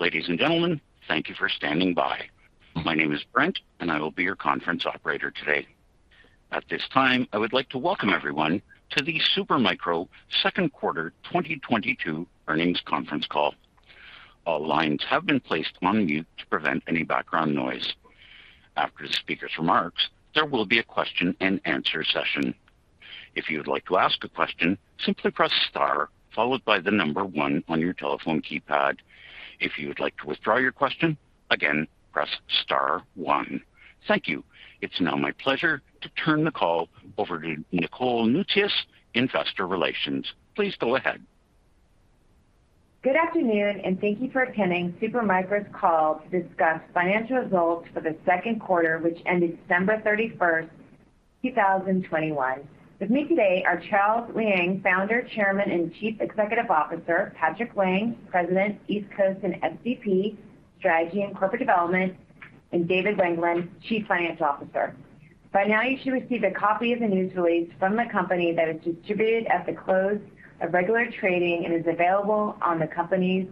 Ladies and gentlemen, thank you for standing by. My name is Brent, and I will be your conference operator today. At this time, I would like to Welcome Everyone to the Super Micro Second Quarter 2022 Earnings Conference Call. All lines have been placed on mute to prevent any background noise. After the speaker's remarks, there will be a question-and-answer session. If you would like to ask a question, simply press star followed by the number one on your telephone keypad. If you would like to withdraw your question again, press star one. Thank you. It's now my pleasure to turn the call over to Nicole Noutsios, Investor Relations. Please go ahead. Good afternoon, and thank you for attending Super Micro's call to discuss financial results for the second quarter, which ended December 31st, 2021. With me today are Charles Liang, Founder, Chairman, and Chief Executive Officer. Patrick Wang, President, East Coast and SVP, Strategy and Corporate Development, and David Weigand, Chief Financial Officer. By now, you should receive a copy of the news release from the company that is distributed at the close of regular trading and is available on the company's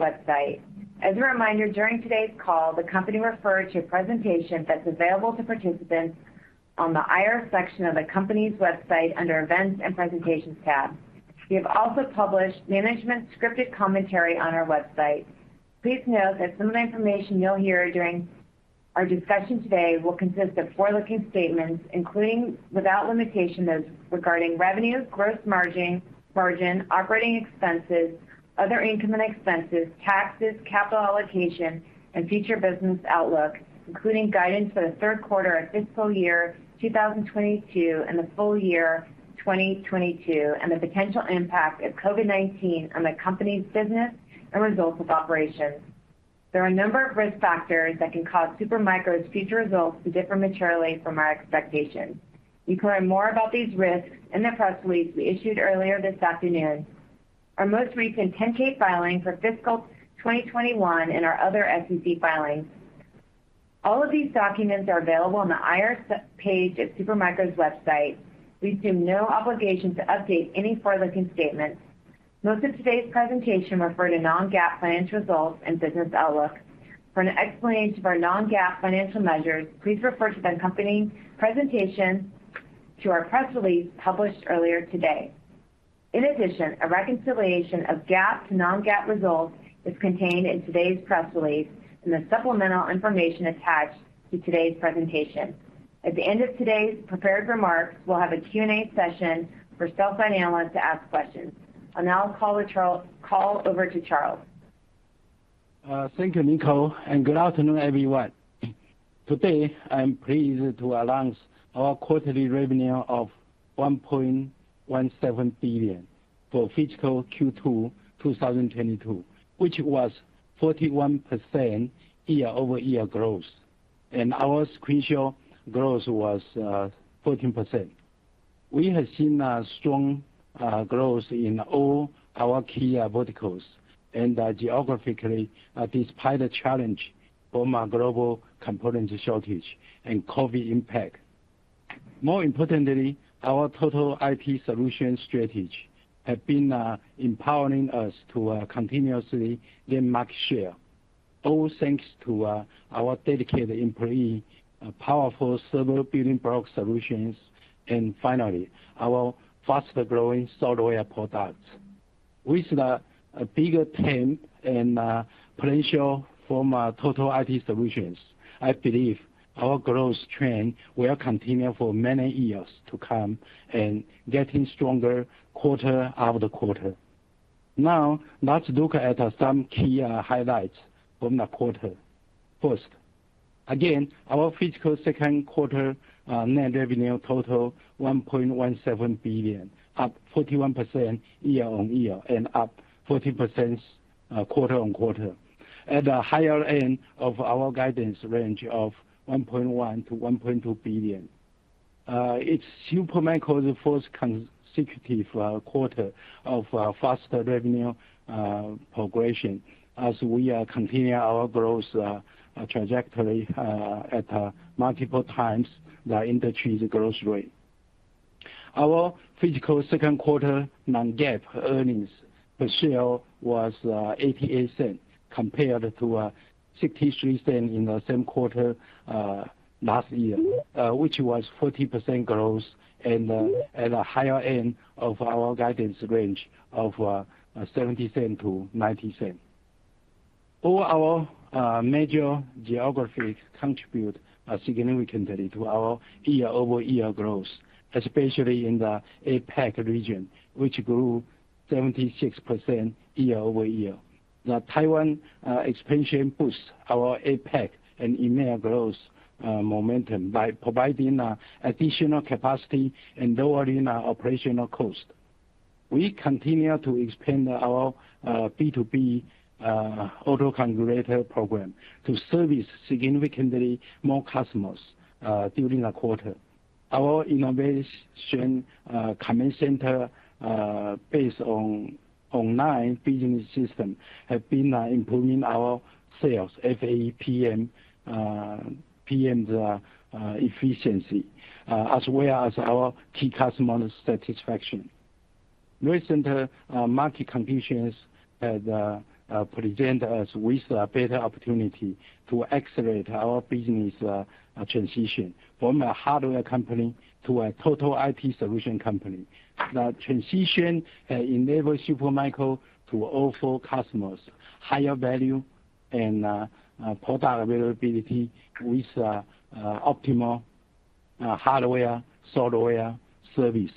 website. As a reminder, during today's call, the company referred to a presentation that's available to participants on the IR section of the company's website under Events and Presentations tab. We have also published management scripted commentary on our website. Please note that some of the information you'll hear during our discussion today will consist of forward-looking statements, including without limitation, those regarding revenues, gross margin, operating expenses, other income and expenses, taxes, capital allocation, and future business outlook, including guidance for the third quarter and fiscal year 2022 and the full year 2022, and the potential impact of COVID-19 on the company's business and results of operations. There are a number of risk factors that can cause Super Micro's future results to differ materially from our expectations. You can learn more about these risks in the press release we issued earlier this afternoon, our most recent 10-K filing for fiscal 2021, and our other SEC filings. All of these documents are available on the IR page at Super Micro's website. We assume no obligation to update any forward-looking statements. Most of today's presentation refers to non-GAAP financial results and business outlook. For an explanation of our non-GAAP financial measures, please refer to the accompanying presentation to our press release published earlier today. In addition, a reconciliation of GAAP to non-GAAP results is contained in today's press release and the supplemental information attached to today's presentation. At the end of today's prepared remarks, we'll have a Q&A session for sell-side analysts to ask questions. I'll now call over to Charles. Thank you, Nicole, and good afternoon, everyone. Today, I'm pleased to announce our quarterly revenue of $1.17 billion for fiscal Q2 2022, which was 41% year-over-year growth, and our sequential growth was 14%. We have seen a strong growth in all our key verticals and geographically, despite the challenge from a global component shortage and COVID impact. More importantly, our total IT solution strategy have been empowering us to continuously gain market share. All thanks to our dedicated employee, powerful server building block solutions, and finally, our faster-growing software products. With a bigger team and potential from our total IT solutions, I believe our growth trend will continue for many years to come and getting stronger quarter-over-quarter. Now, let's look at some key highlights from the quarter. First, again, our fiscal second quarter net revenue totaled $1.17 billion, up 41% year-on-year and up 14% quarter-on-quarter. At the higher end of our guidance range of $1.1 billion-$1.2 billion. It's Super Micro's fourth consecutive quarter of faster revenue progression as we are continuing our growth trajectory at multiple times the industry's growth rate. Our fiscal second quarter non-GAAP earnings per share was $0.88 compared to $0.63 in the same quarter last year, which was 40% growth and at a higher end of our guidance range of $0.70-$0.90. All our major geographies contribute significantly to our year-over-year growth, especially in the APAC region, which grew 76% year-over-year. The Taiwan expansion boosts our APAC and EMEA growth momentum by providing additional capacity and lowering our operational cost. We continue to expand our B2B auto configurator program to service significantly more customers during the quarter. Our innovation command center, based on online business system, have been improving our sales, FAE, PM's efficiency as well as our key customer satisfaction. Recent market conditions has presented us with a better opportunity to accelerate our business transition from a hardware company to a total IT solution company. The transition enables Super Micro to offer customers higher value and product availability with optimal hardware, software, service,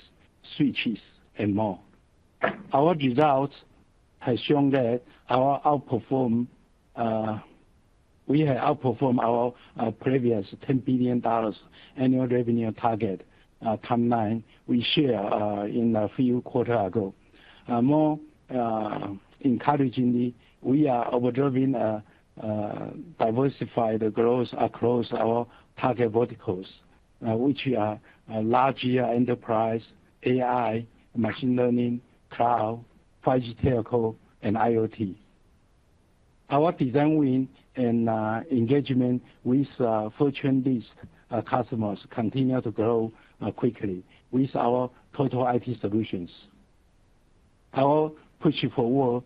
switches, and more. Our results has shown that we have outperformed our previous $10 billion annual revenue target, timeline we share, in a few quarter ago. More encouragingly, we are overdriving diversified growth across our target verticals, which are larger enterprise, AI, machine learning, cloud, 5G telco, and IoT. Our design win and engagement with Fortune list customers continue to grow quickly with our total IT solutions. Our push forward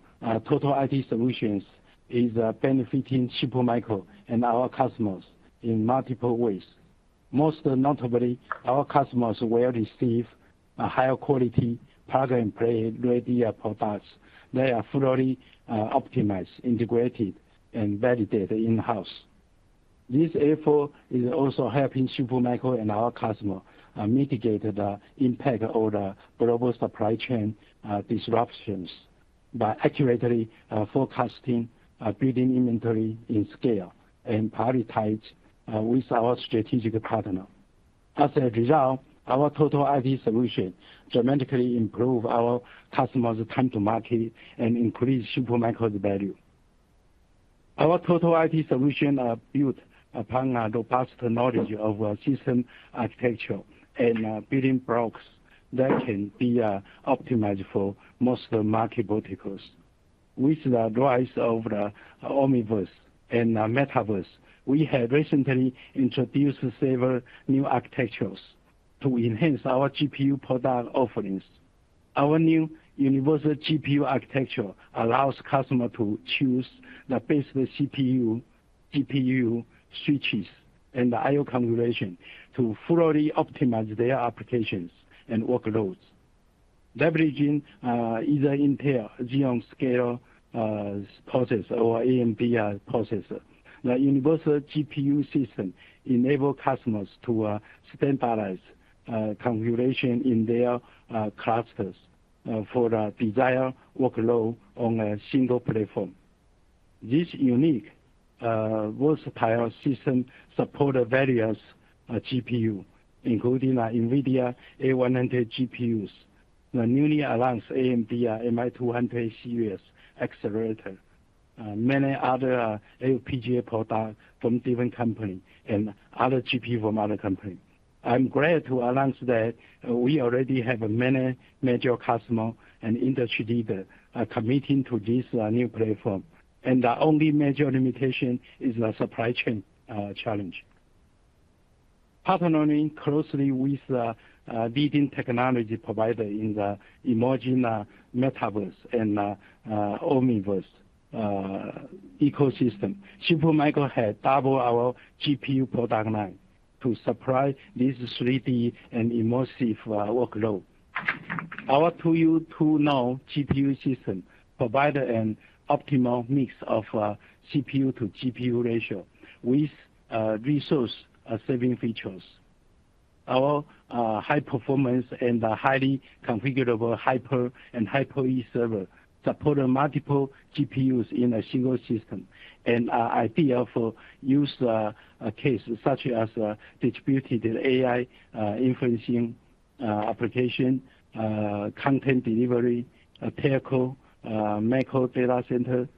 total IT solutions is benefiting Super Micro and our customers in multiple ways. Most notably, our customers will receive a higher quality plug-and-play ready products. They are fully optimized, integrated, and validated in-house. This effort is also helping Super Micro and our customer, mitigate the impact of the global supply chain, disruptions by accurately, forecasting, building inventory in scale and prioritize, with our strategic partner. As a result, our Total IT Solution dramatically improve our customers' time to market and increase Super Micro's value. Our Total IT Solution are built upon a robust knowledge of system architecture and building blocks that can be, optimized for most market verticals. With the rise of the Omniverse and the Metaverse, we have recently introduced several new architectures to enhance our GPU product offerings. Our new universal GPU architecture allows customer to choose the best CPU, GPU, switches, and IO configuration to fully optimize their applications and workloads. Leveraging, either Intel Xeon Scalable processors or AMD processor. The universal GPU system enable customers to standardize configuration in their clusters for the desired workload on a single platform. This unique versatile system support various GPU, including NVIDIA A100 GPUs. The newly announced AMD MI200 series accelerator, many other FPGA product from different company and other GPU from other company. I'm glad to announce that we already have many major customer and industry leader committing to this new platform. The only major limitation is the supply chain challenge. Partnering closely with leading technology provider in the emerging Metaverse and Omniverse ecosystem. Super Micro has double our GPU product line to supply this 3D and immersive workload. Our 2U2N GPU system provide an optimal mix of CPU to GPU ratio with resource saving features. Our high-performance and highly configurable Hyper and Hyper-E servers support multiple GPUs in a single system and are ideal for use cases such as distributed AI inference applications, content delivery, telco, micro data center,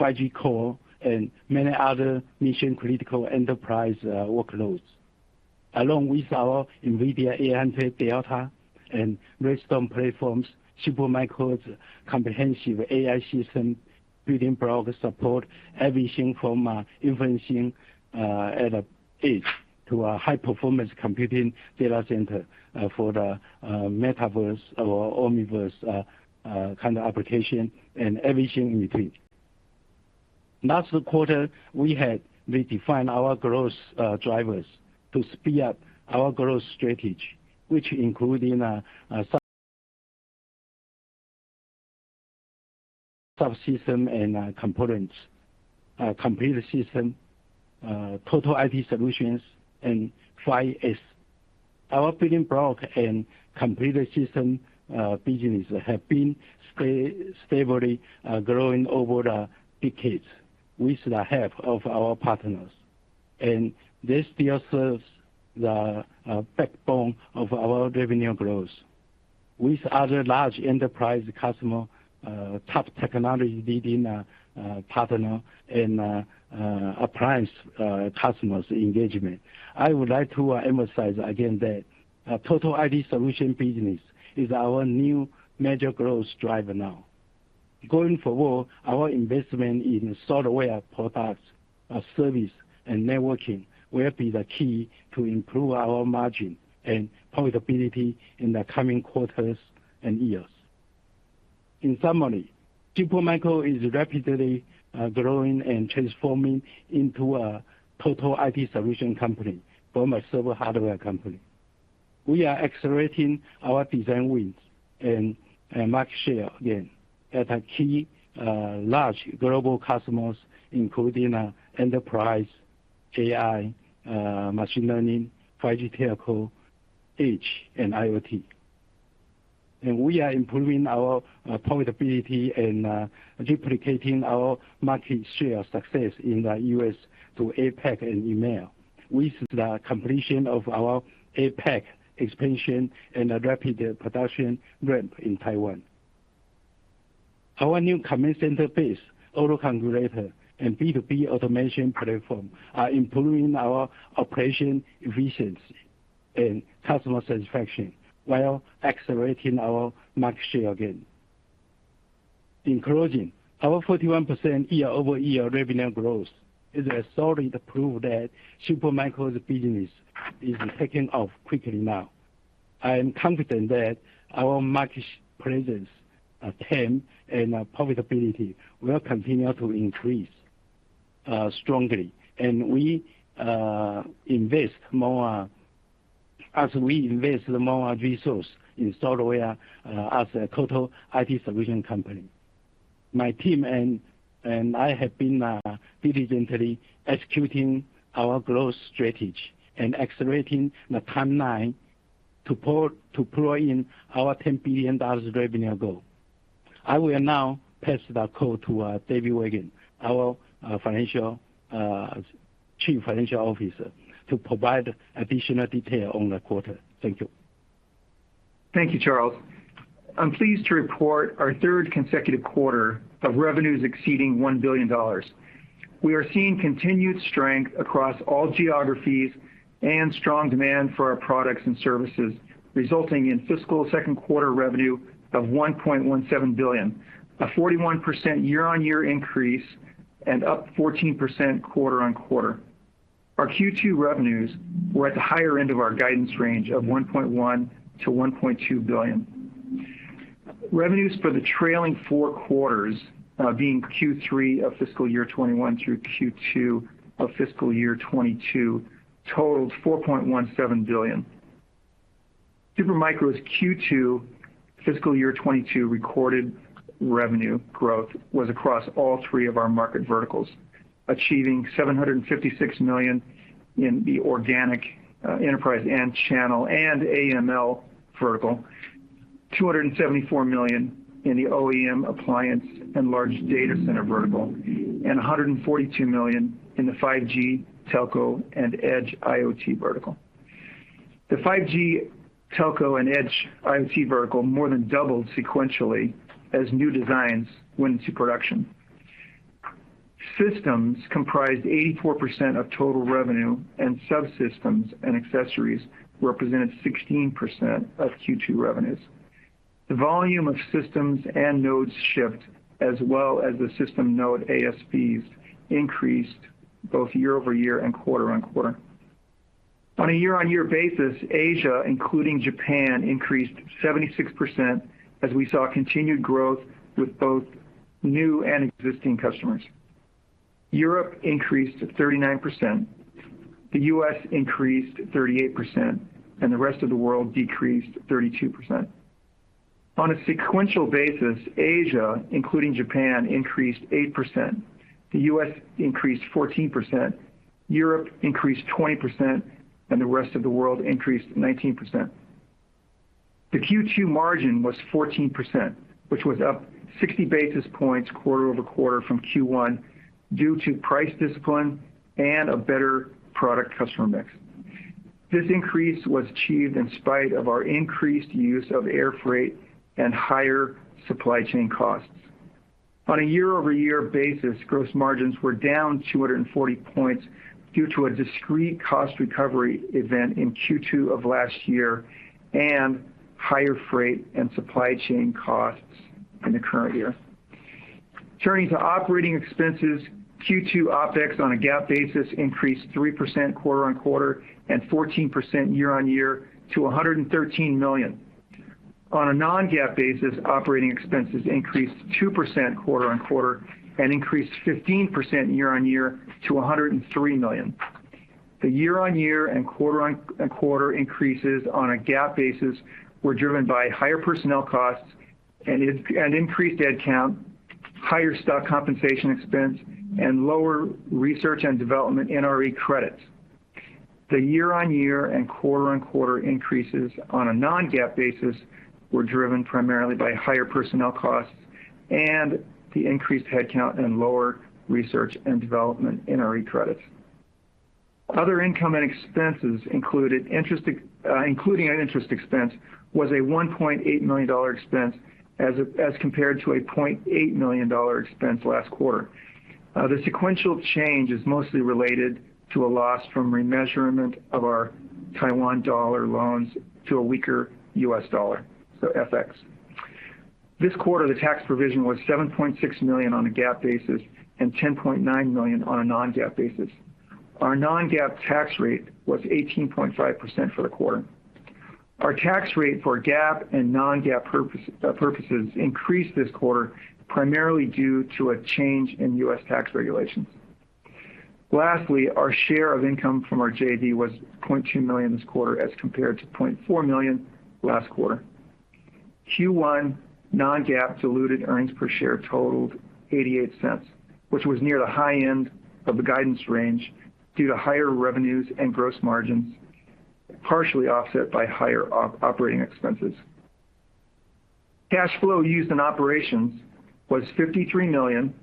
5G core, and many other mission-critical enterprise workloads. Along with our NVIDIA A100 Delta and Redstone platforms, Super Micro's comprehensive AI system building blocks support everything from inference at the edge to a high-performance computing data center for the metaverse or Omniverse kind of application and everything in between. Last quarter, we had redefined our growth drivers to speed up our growth strategy, which including subsystems and components, computer system, total IT solutions, and 5G. Our building block and computer system business have been stably growing over the decades with the help of our partners. This still serves the backbone of our revenue growth. With other large enterprise customer top technology leading partner and appliance customers engagement. I would like to emphasize again that Total IT Solution business is our new major growth driver now. Going forward, our investment in software products service and networking will be the key to improve our margin and profitability in the coming quarters and years. In summary, Super Micro is rapidly growing and transforming into a Total IT Solution company from a server hardware company. We are accelerating our design wins and market share gain at our key large global customers, including enterprise, AI, machine learning, 5G telco, edge, and IoT. We are improving our profitability and duplicating our market share success in the U.S. to APAC and EMEA with the completion of our APAC expansion and a rapid production ramp in Taiwan. Our new command center-based auto configurator and B2B automation platform are improving our operation efficiency and customer satisfaction while accelerating our market share gain. In closing, our 41% year-over-year revenue growth is a solid proof that Super Micro's business is taking off quickly now. I am confident that our market presence, TAM, and our profitability will continue to increase strongly. As we invest more resource in software, as a total IT solution company. My team and I have been diligently executing our growth strategy and accelerating the timeline to deploy in our $10 billion revenue goal. I will now pass the call to David Weigand, our Chief Financial Officer, to provide additional detail on the quarter. Thank you. Thank you, Charles. I'm pleased to report our third consecutive quarter of revenues exceeding $1 billion. We are seeing continued strength across all geographies and strong demand for our products and services, resulting in fiscal second quarter revenue of $1.17 billion, a 41% year-on-year increase and up 14% quarter-on-quarter. Our Q2 revenues were at the higher end of our guidance range of $1.1-$1.2 billion. Revenues for the trailing four quarters, being Q3 of fiscal year 2021 through Q2 of fiscal year 2022, totaled $4.17 billion. Super Micro's Q2 FY 2022 recorded revenue growth was across all three of our market verticals, achieving $756 million in the embedded, enterprise and channel and AI/ML vertical, $274 million in the OEM, appliance and large data center vertical, and $142 million in the 5G, telco, and edge IoT vertical. The 5G, telco, and edge IoT vertical more than doubled sequentially as new designs went into production. Systems comprised 84% of total revenue and subsystems and accessories represented 16% of Q2 revenues. The volume of systems and nodes shipped, as well as the system node ASPs, increased both year-over-year and quarter-over-quarter. On a year-on-year basis, Asia, including Japan, increased 76% as we saw continued growth with both new and existing customers. Europe increased 39%, the US increased 38%, and the rest of the world decreased 32%. On a sequential basis, Asia, including Japan, increased 8%, the US increased 14%, Europe increased 20%, and the rest of the world increased 19%. The Q2 margin was 14%, which was up 60 basis points quarter-over-quarter from Q1 due to price discipline and a better product customer mix. This increase was achieved in spite of our increased use of air freight and higher supply chain costs. On a year-over-year basis, gross margins were down 240 points due to a discrete cost recovery event in Q2 of last year and higher freight and supply chain costs in the current year. Turning to operating expenses, Q2 OpEx on a GAAP basis increased 3% quarter-over-quarter and 14% year-over-year to $113 million. On a non-GAAP basis, operating expenses increased 2% quarter-over-quarter and 15% year-over-year to $103 million. The year-over-year and quarter-over-quarter increases on a GAAP basis were driven by higher personnel costs and increased head count, higher stock compensation expense, and lower research and development NRE credits. The year-over-year and quarter-over-quarter increases on a non-GAAP basis were driven primarily by higher personnel costs and the increased head count and lower research and development NRE credits. Other income and expenses included interest, including an interest expense was a $1.8 million expense as compared to a $0.8 million expense last quarter. The sequential change is mostly related to a loss from remeasurement of our Taiwan dollar loans to a weaker US dollar, so FX. This quarter, the tax provision was $7.6 million on a GAAP basis and $10.9 million on a non-GAAP basis. Our non-GAAP tax rate was 18.5% for the quarter. Our tax rate for GAAP and non-GAAP purposes increased this quarter primarily due to a change in U.S. tax regulations. Lastly, our share of income from our JV was $0.2 million this quarter as compared to $0.4 million last quarter. Q1 non-GAAP diluted earnings per share totaled $0.88, which was near the high end of the guidance range due to higher revenues and gross margins, partially offset by higher operating expenses. Cash flow used in operations was $53 million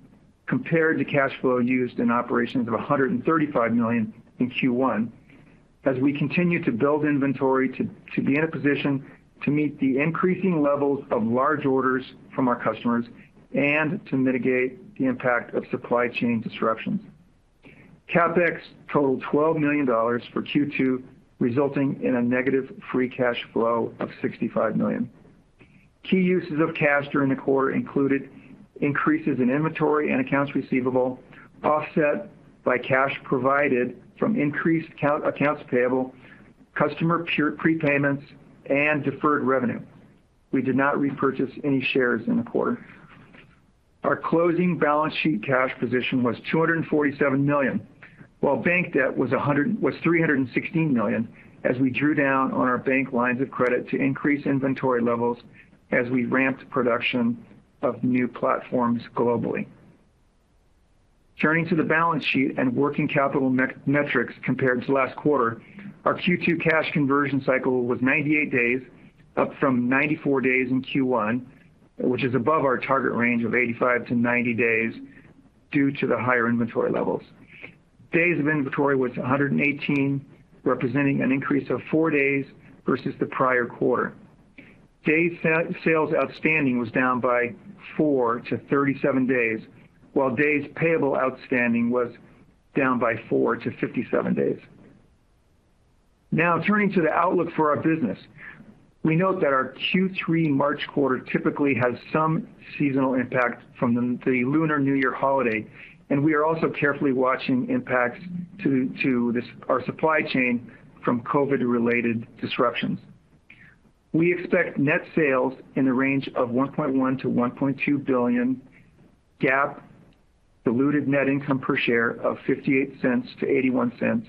compared to cash flow used in operations of $135 million in Q1, as we continue to build inventory to be in a position to meet the increasing levels of large orders from our customers and to mitigate the impact of supply chain disruptions. CapEx totaled $12 million for Q2, resulting in a negative free cash flow of $65 million. Key uses of cash during the quarter included increases in inventory and accounts receivable, offset by cash provided from increased accounts payable, customer prepayments, and deferred revenue. We did not repurchase any shares in the quarter. Our closing balance sheet cash position was $247 million, while bank debt was $316 million, as we drew down on our bank lines of credit to increase inventory levels as we ramped production of new platforms globally. Turning to the balance sheet and working capital metrics compared to last quarter, our Q2 cash conversion cycle was 98 days, up from 94 days in Q1, which is above our target range of 85-90 days due to the higher inventory levels. Days of inventory was 118, representing an increase of four days versus the prior quarter. Days sales outstanding was down by four to 37 days, while days payable outstanding was down by four to 57 days. Now turning to the outlook for our business. We note that our Q3 March quarter typically has some seasonal impact from the Lunar New Year holiday, and we are also carefully watching impacts to our supply chain from COVID-related disruptions. We expect net sales in the range of $1.1 billion-$1.2 billion, GAAP diluted net income per share of $0.58-$0.81,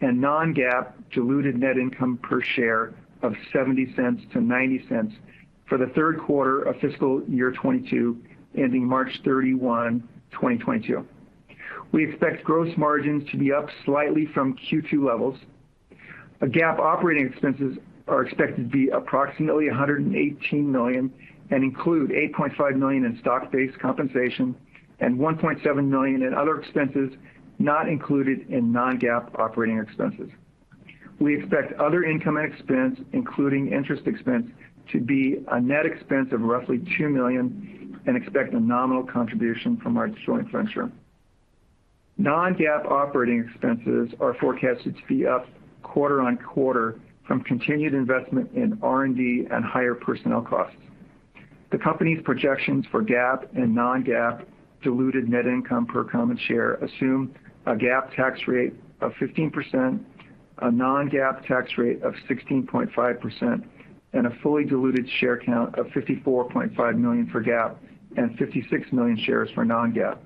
and non-GAAP diluted net income per share of $0.70-$0.90 for the third quarter of fiscal year 2022, ending March 31, 2022. We expect gross margins to be up slightly from Q2 levels, but GAAP operating expenses are expected to be approximately $118 million, and include $8.5 million in stock-based compensation and $1.7 million in other expenses not included in non-GAAP operating expenses. We expect other income and expense, including interest expense, to be a net expense of roughly $2 million and expect a nominal contribution from our joint venture. Non-GAAP operating expenses are forecasted to be up quarter-over-quarter from continued investment in R&D and higher personnel costs. The company's projections for GAAP and non-GAAP diluted net income per common share assume a GAAP tax rate of 15%, a non-GAAP tax rate of 16.5%, and a fully diluted share count of 54.5 million for GAAP and 56 million shares for non-GAAP.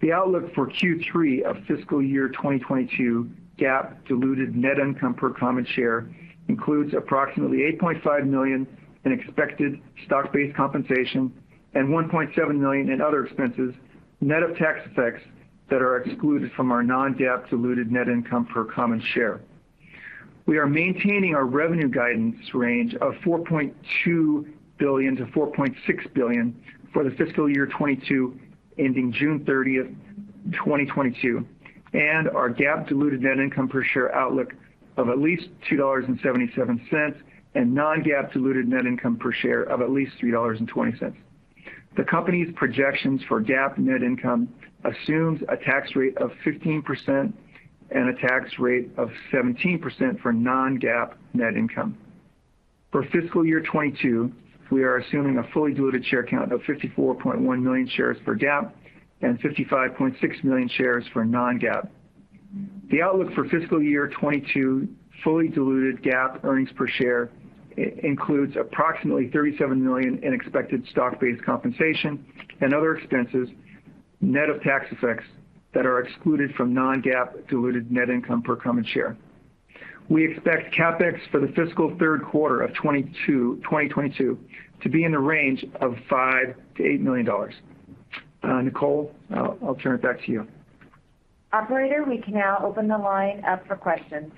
The outlook for Q3 of fiscal year 2022 GAAP diluted net income per common share includes approximately $8.5 million in expected stock-based compensation and $1.7 million in other expenses, net of tax effects that are excluded from our non-GAAP diluted net income per common share. We are maintaining our revenue guidance range of $4.2 billion-$4.6 billion for the fiscal year 2022, ending June 30, 2022, and our GAAP diluted net income per share outlook of at least $2.77, and non-GAAP diluted net income per share of at least $3.20. The company's projections for GAAP net income assumes a tax rate of 15% and a tax rate of 17% for non-GAAP net income. For fiscal year 2022, we are assuming a fully diluted share count of 54.1 million shares for GAAP and 55.6 million shares for non-GAAP. The outlook for fiscal year 2022 fully diluted GAAP earnings per share includes approximately $37 million in expected stock-based compensation and other expenses, net of tax effects that are excluded from non-GAAP diluted net income per common share. We expect CapEx for the fiscal third quarter of 2022 to be in the range of $5 million-$8 million. Nicole, I'll turn it back to you. Operator, we can now open the line up for questions.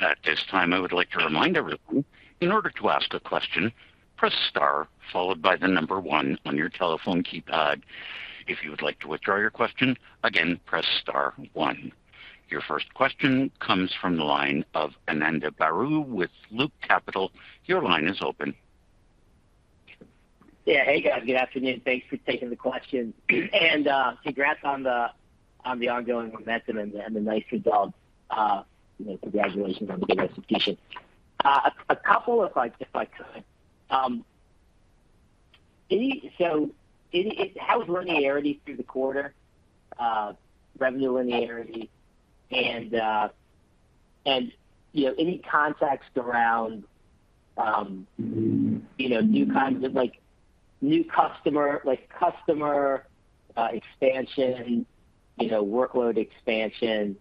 At this time, I would like to remind everyone, in order to ask a question, press star followed by one on your telephone keypad. If you would like to withdraw your question, again, press star one. Your first question comes from the line of Ananda Baruah with Loop Capital. Your line is open. Yeah. Hey, guys. Good afternoon. Thanks for taking the questions. Congrats on the ongoing momentum and the nice results. You know, congratulations on the good execution. A couple, if I could. How's linearity through the quarter, revenue linearity? You know, any context around, you know, new kinds of like new customer, like customer expansion, you know, workload expansion,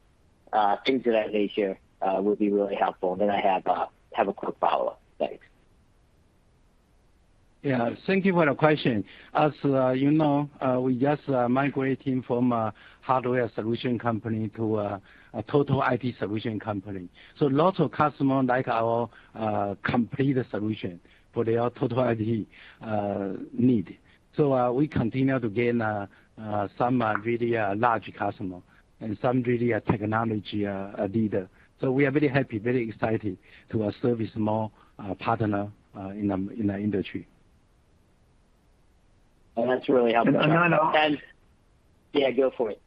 things of that nature, would be really helpful. I have a quick follow-up. Thanks. Yeah. Thank you for the question. As you know, we're just migrating from a hardware solution company to a Total IT Solution company. Lots of customer like our complete solution for their Total IT need. We continue to gain some really large customer and some really technology leader. We are very happy, very excited to service more partner in the industry. Oh, that's really helpful. I know. Yeah, go for it.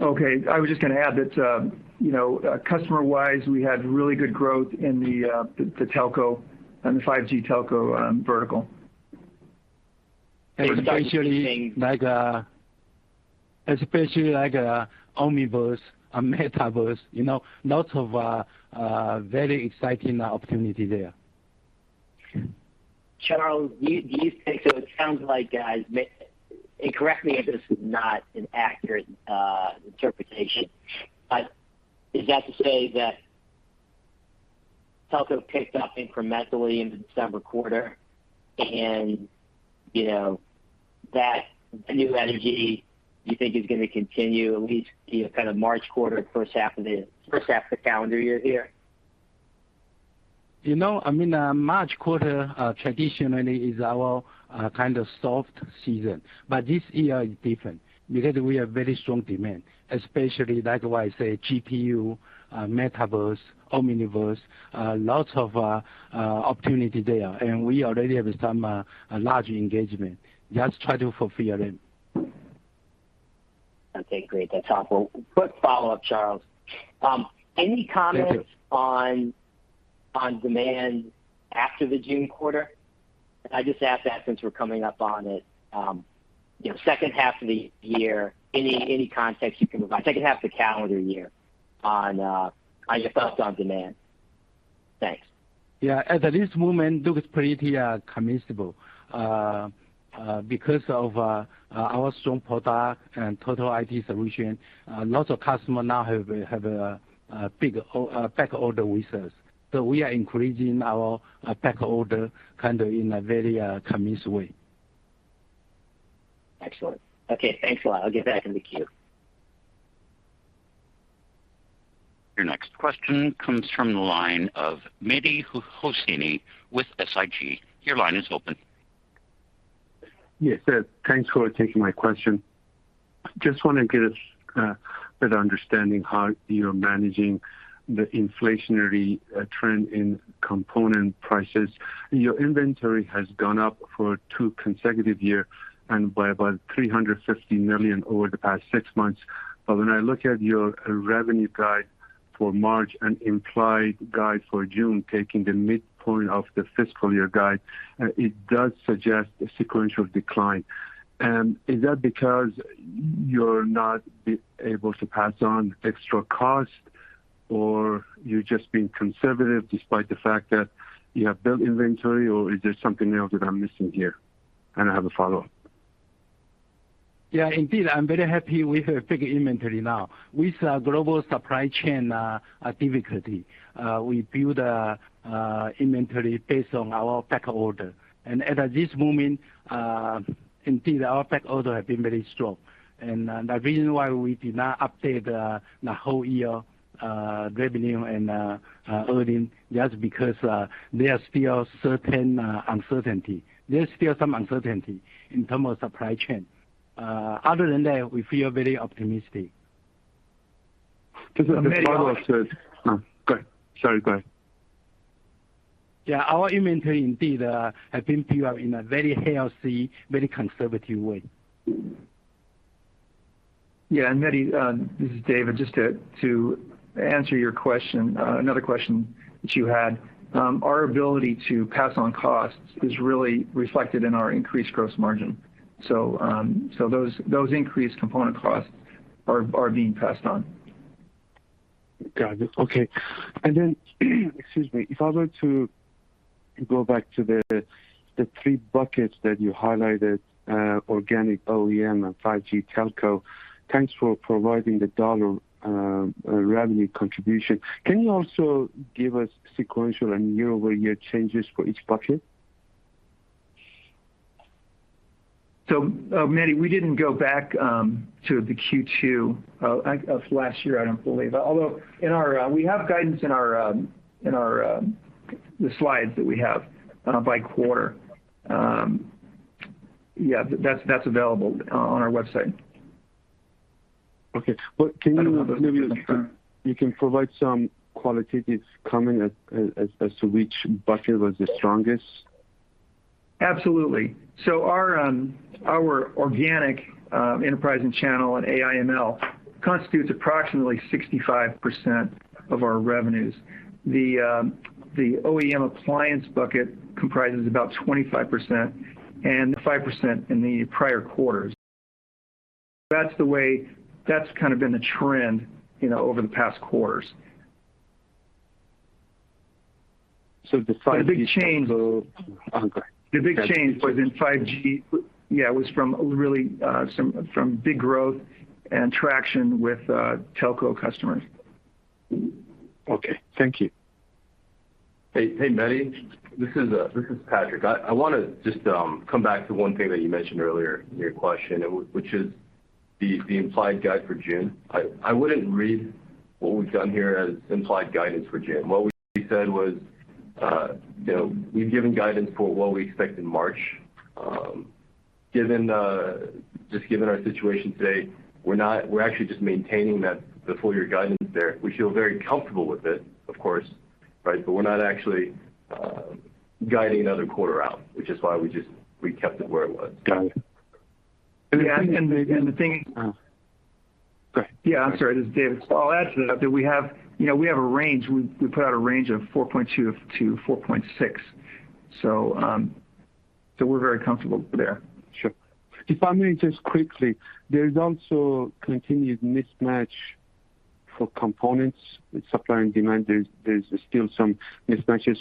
Okay. I was just gonna add that, you know, customer-wise, we had really good growth in the telco and the 5G telco vertical. Especially like Omniverse and Metaverse, you know, lots of very exciting opportunity there. Charles, do you think? So it sounds like. Correct me if this is not an accurate interpretation. But is that to say that telco picked up incrementally in the December quarter and, you know, that new energy you think is gonna continue at least, you know, kind of March quarter, first half of the calendar year here? You know, I mean, March quarter, traditionally is our, kind of soft season. But this year is different because we have very strong demand, especially like what I say, GPU, Metaverse, Omniverse, lots of, opportunity there. We already have some, large engagement. Just try to fulfill them. Okay, great. That's helpful. Quick follow-up, Charles. Any comments? Thank you.... on demand after the June quarter? I just ask that since we're coming up on it, you know, second half of the year. Any context you can provide, second half of the calendar year on your thoughts on demand. Thanks. It looks pretty convincing because of our strong product and Total IT Solution. Lots of customers now have a big back order with us. We are increasing our back order kind of in a very convinced way. Excellent. Okay, thanks a lot. I'll get back in the queue. Your next question comes from the line of Mehdi Hosseini with SIG. Your line is open. Yes, sir. Thanks for taking my question. Just wanna get a better understanding how you're managing the inflationary trend in component prices. Your inventory has gone up for two consecutive year and by about $350 million over the past six months. When I look at your revenue guide for March and implied guide for June, taking the midpoint of the fiscal year guide, it does suggest a sequential decline. Is that because you're not able to pass on extra cost or you're just being conservative despite the fact that you have built inventory, or is there something else that I'm missing here? I have a follow-up. Yeah, indeed, I'm very happy we have big inventory now. With our global supply chain difficulty, we build inventory based on our back order. At this moment, indeed our back order have been very strong. The reason why we did not update the whole year revenue and earning just because there's still certain uncertainty. There's still some uncertainty in terms of supply chain. Other than that, we feel very optimistic. Just a follow-up to it. No, go. Sorry, go ahead. Yeah. Our inventory indeed have been built in a very healthy, very conservative way. Yeah. Mehdi, this is David. Just to answer your question, another question that you had. Our ability to pass on costs is really reflected in our increased gross margin. So those increased component costs are being passed on. Got it. Okay. Excuse me. If I were to go back to the three buckets that you highlighted, organic OEM and 5G telco. Thanks for providing the dollar revenue contribution. Can you also give us sequential and year-over-year changes for each bucket? Mehdi, we didn't go back to the Q2 of last year, I don't believe. Although we have guidance in our slides that we have by quarter. Yeah, that's available on our website. Okay. Can you maybe provide some qualitative comment as to which bucket was the strongest? Absolutely. Our organic enterprise and channel and AI/ML constitutes approximately 65% of our revenues. The OEM appliance bucket comprises about 25% and 5% in the prior quarters. That's the way. That's kind of been the trend, you know, over the past quarters. The size of these telco. The big change was in 5G, yeah, was from really from big growth and traction with telco customers. Okay. Thank you. Hey, Mehdi. This is Patrick. I wanna just come back to one thing that you mentioned earlier in your question, which is the implied guidance for June. I wouldn't read what we've done here as implied guidance for June. What we said was, you know, we've given guidance for what we expect in March. Given our situation today, we're actually just maintaining that, the full year guidance there. We feel very comfortable with it, of course, right? We're not actually guiding another quarter out, which is why we just kept it where it was. Got it. Oh, go ahead. Yeah, I'm sorry. This is David. I'll add to that. We have a range. We put out a range of $4.2-$4.6. We're very comfortable there. Sure. If I may just quickly, there is also continued mismatch between supply and demand for components. There's still some mismatches.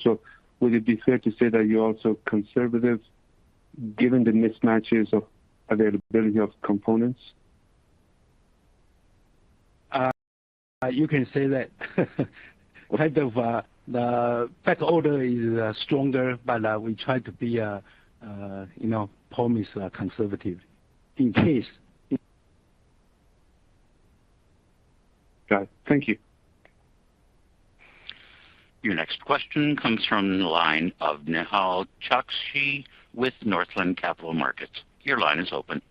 Would it be fair to say that you're also conservative given the mismatches of availability of components? You can say that kind of the backlog is stronger, but we try to be, you know, promising conservative in case. Got it. Thank you. Your next question comes from the line of Nehal Chokshi with Northland Capital Markets. Your line is open.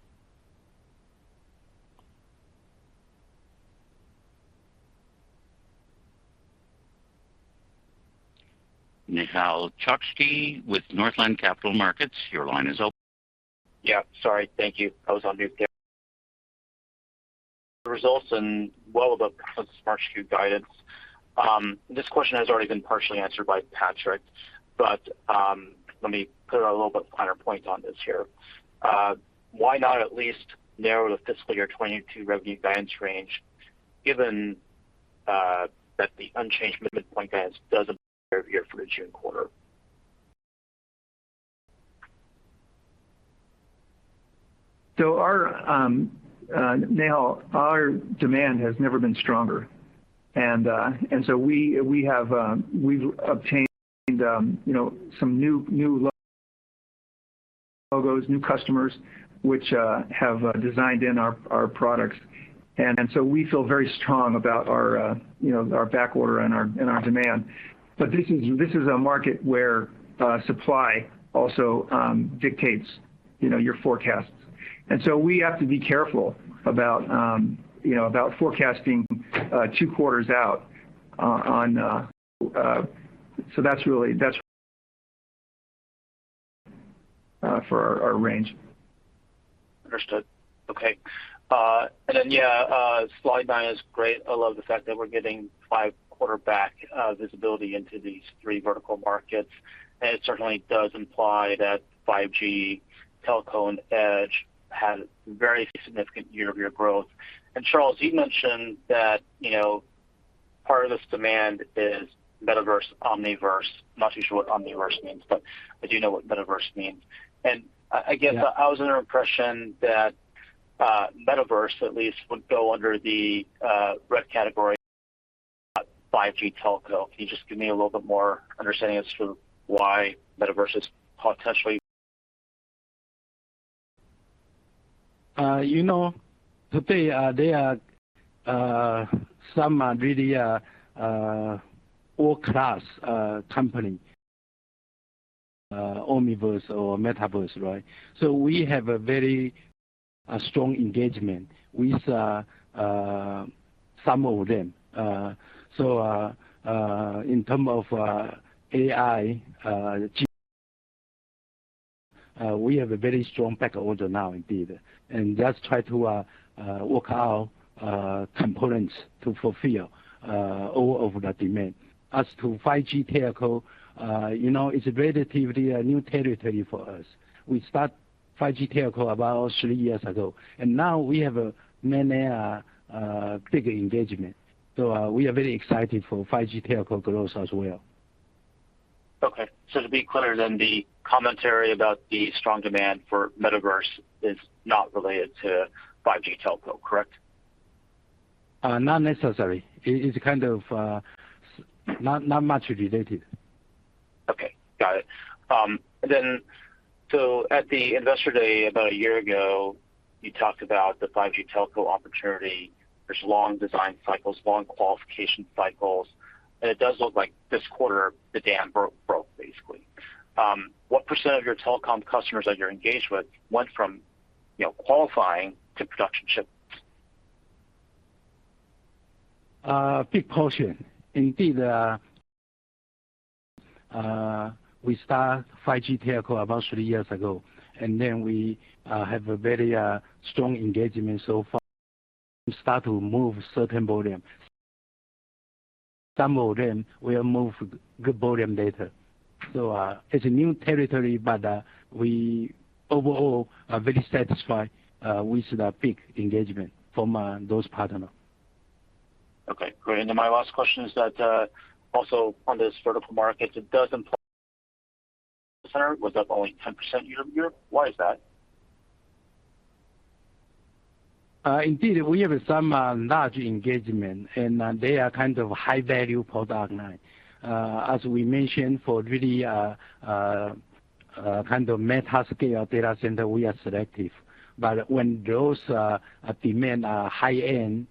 Nehal Chokshi with Northland Capital Markets. Your line is open. Yeah. Sorry. Thank you. I was on mute. Yeah. The results are well above consensus March Q guidance. This question has already been partially answered by Patrick, but let me put a little bit finer point on this here. Why not at least narrow the fiscal year 2022 revenue guidance range given that the unchanged midpoint guidance doesn't Our demand has never been stronger. Nehal, we have obtained, you know, some new logos, new customers which have designed in our products. We feel very strong about our, you know, our backlog and our demand. This is a market where supply also dictates, you know, your forecasts. We have to be careful about, you know, about forecasting two quarters out on. That's really for our range. Understood. Okay. Slide 9 is great. I love the fact that we're getting 5-quarter visibility into these 3 vertical markets. It certainly does imply that 5G telco and edge had very significant year-over-year growth. Charles, you mentioned that, you know, part of this demand is Metaverse, Omniverse. I'm not too sure what Omniverse means, but I do know what Metaverse means. I was under the impression that Metaverse at least would go under the red category, 5G telco. Can you just give me a little bit more understanding as to why Metaverse is potentially? You know, today, there are some really world-class companies, Omniverse or Metaverse, right? We have a very strong engagement with some of them. In terms of AI, we have a very strong backlog now indeed, and just try to work out components to fulfill all of that demand. As to 5G telco, you know, it's relatively new territory for us. We start 5G telco about three years ago, and now we have many big engagements. We are very excited for 5G telco growth as well. Okay. To be clear, the commentary about the strong demand for Metaverse is not related to 5G telco, correct? Not necessarily. It is kind of not much related. Okay. Got it. At the Investor Day about a year ago, you talked about the 5G telco opportunity. There's long design cycles, long qualification cycles, and it does look like this quarter the dam broke basically. What % of your telecom customers that you're engaged with went from, you know, qualifying to production ship? Big portion. Indeed, we start 5G telco about three years ago, and then we have a very strong engagement so far. We start to move certain volume. Some of them will move good volume later. It's a new territory, but we overall are very satisfied with the big engagement from those partner. Okay, great. Then my last question is that, also on this vertical market, it was up only 10% year-over-year. Why is that? Indeed, we have some large engagements, and they are kind of high-value product lines. As we mentioned, for really kind of hyperscale data centers, we are selective. When those demand a high-end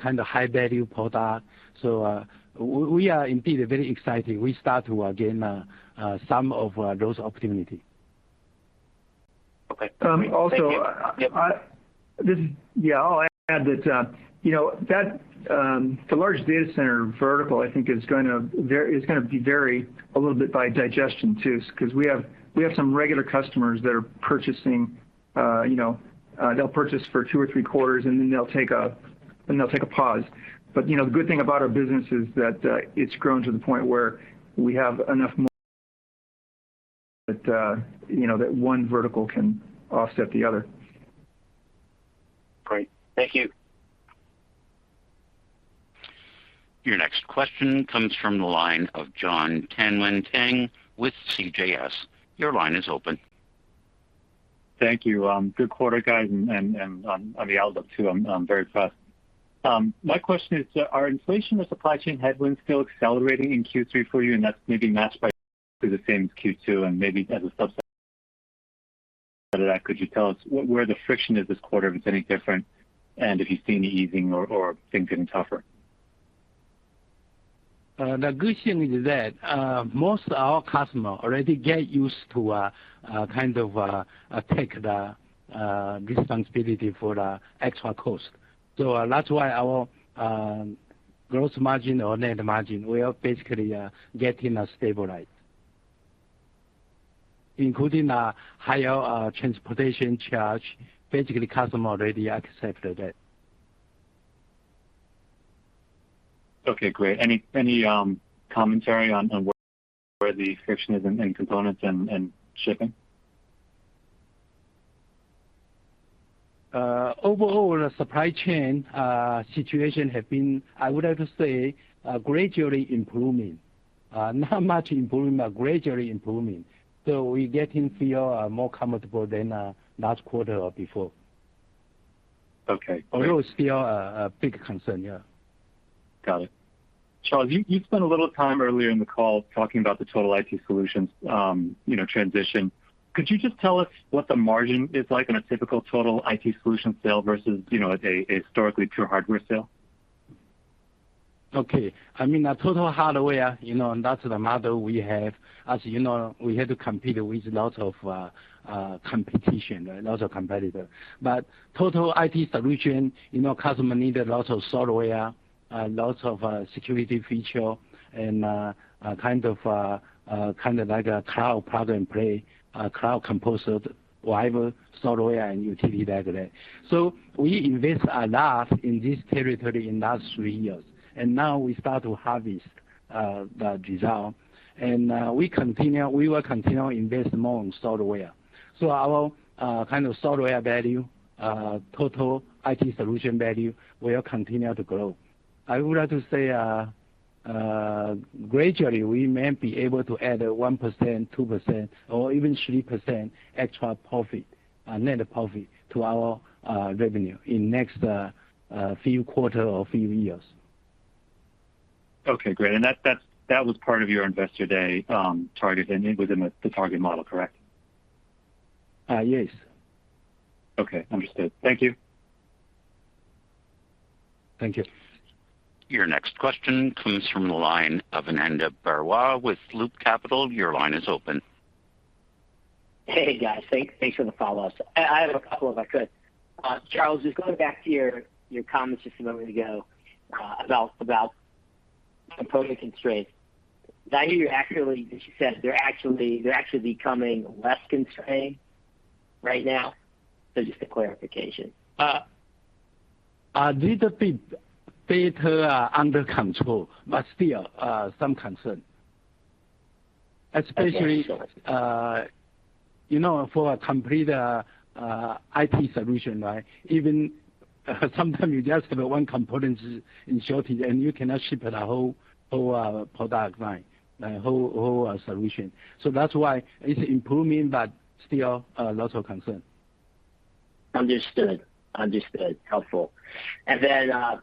kind of high-value product, we are indeed very excited. We start to gain some of those opportunities. Okay. I'll add that, you know, that the large data center vertical, I think, is gonna vary a little bit by digestion, too, because we have some regular customers that are purchasing, you know, they'll purchase for two or three quarters, and then they'll take a pause. You know, the good thing about our business is that it's grown to the point where we have enough more that, you know, that one vertical can offset the other. Great. Thank you. Your next question comes from the line of Jonathan Tanwanteng with CJS. Your line is open. Thank you. Good quarter, guys, and on the outlook, too. I'm very impressed. My question is, are inflation or supply chain headwinds still accelerating in Q3 for you? That's maybe matched by through the same as Q2 and maybe as a subset. Could you tell us where the friction is this quarter, if it's any different, and if you've seen any easing or things getting tougher? The good thing is that most our customer already get used to kind of take the responsibility for the extra cost. That's why our gross margin or net margin will basically getting stabilized. Including a higher transportation charge, basically customer already accepted it. Okay, great. Any commentary on where the friction is in components and shipping? Overall, the supply chain situation has been, I would have to say, gradually improving. Not much improving, but gradually improving. We're getting to feel more comfortable than last quarter or before. Okay. Although still a big concern, yeah. Got it. Charles, you spent a little time earlier in the call talking about the Total IT Solution, you know, transition. Could you just tell us what the margin is like in a typical Total IT Solution sale versus, you know, a historically pure hardware sale? Okay. I mean, a total hardware, you know, and that's the model we have. As you know, we had to compete with lot of competition, right? Lot of competitor. Total IT Solution, you know, customer needed lots of software, lots of security feature and kind of like a cloud product play, a cloud composable driver, software, and utility like that. We invest a lot in this territory in last three years. Now we start to harvest the result. We will continue invest more in software. Our kind of software value, Total IT Solution value will continue to grow. I would like to say, gradually, we may be able to add 1%, 2%, or even 3% extra profit, net profit to our revenue in next few quarter or few years. Okay, great. That was part of your investor day target, and it was in the target model, correct? Yes. Okay, understood. Thank you. Thank you. Your next question comes from the line of Ananda Baruah with Loop Capital. Your line is open. Hey, guys. Thank you for the follow-up. I have a couple, if I could. Charles, just going back to your comments just a moment ago, about component constraints. Did I hear you accurately when you said they're actually becoming less constrained right now? Just a clarification. A little bit better under control, but still some concern. Especially Okay, sure. You know, for a complete IT solution, right? Even sometimes you just have one component is in shortage, and you cannot ship the whole product line, the whole solution. That's why it's improving but still lots of concern. Understood. Helpful. On the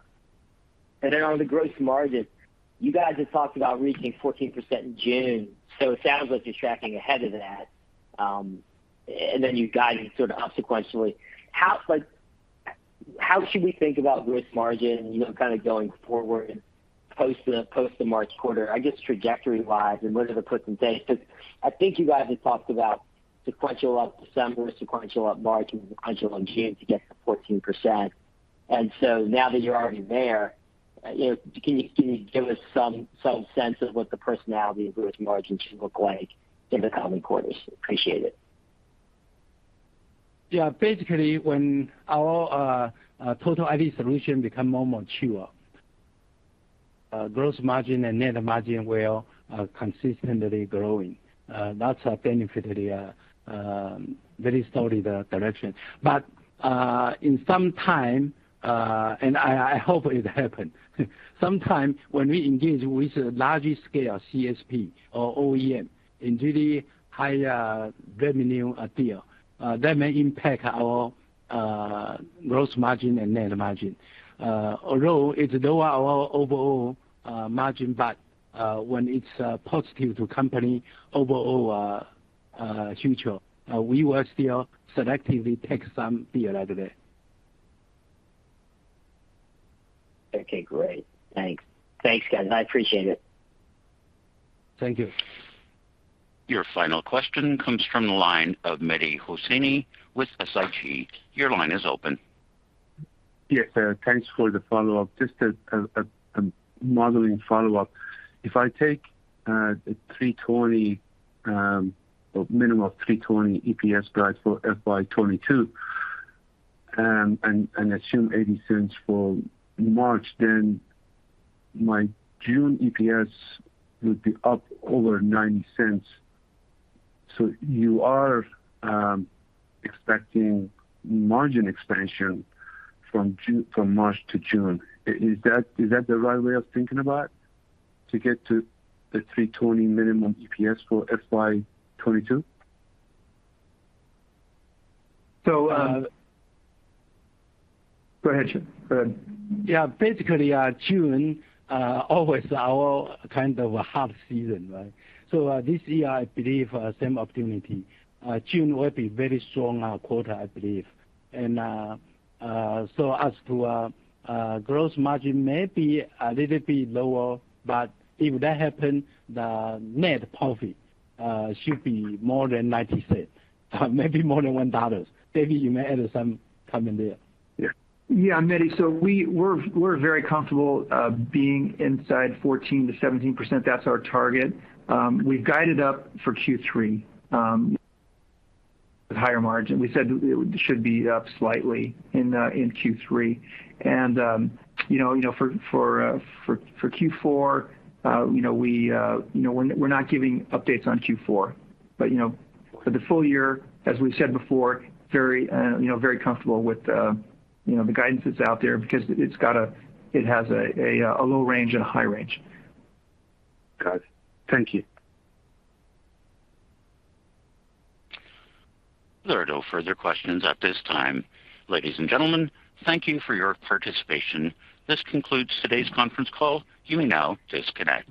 gross margin, you guys had talked about reaching 14% in June, so it sounds like you're tracking ahead of that, and then you're guiding sort of up sequentially. How should we think about gross margin, you know, kinda going forward? Post the March quarter, I guess, trajectory-wise, and whatever puts in place, I think you guys had talked about sequential up December, sequential up March, and sequential in June to get to 14%. Now that you're already there, you know, can you give us some sense of what the trajectory of gross margin should look like in the coming quarters? Appreciate it. Yeah, basically, when our Total IT Solution become more mature, gross margin and net margin will consistently growing. That's a benefit of the very solid direction. Sometimes, and I hope it happen, sometime when we engage with a larger scale CSP or OEM in really higher revenue deal, that may impact our gross margin and net margin. Although it lower our overall margin, but when it's positive to company overall future, we will still selectively take some deal out of it. Okay, great. Thanks. Thanks, guys. I appreciate it. Thank you. Your final question comes from the line of Mehdi Hosseini with Susquehanna. Your line is open. Yes, sir. Thanks for the follow-up. Just a modeling follow-up. If I take the $3.20 or minimum of $3.20 EPS guide for FY 2022, and assume $0.80 for March, then my June EPS would be up over $0.90. You are expecting margin expansion from March to June. Is that the right way of thinking about to get to the $3.20 minimum EPS for FY 2022? So, uh- Go ahead, Shen. Go ahead. Yeah. Basically, June always our kind of a hard season, right? This year, I believe, same opportunity. June will be very strong quarter, I believe. As to gross margin may be a little bit lower, but if that happen, the net profit should be more than $0.90, maybe more than $1. David, you may add some comment there. Yeah. Yeah, Mehdi, so we're very comfortable being inside 14%-17%. That's our target. We've guided up for Q3 with higher margin. We said it should be up slightly in Q3. You know, for Q4, you know, we're not giving updates on Q4. You know, for the full year, as we said before, very comfortable with you know the guidance that's out there because it has a low range and a high range. Got it. Thank you. There are no further questions at this time. Ladies and gentlemen, thank you for your participation. This concludes today's conference call. You may now disconnect.